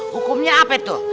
hukumnya apa itu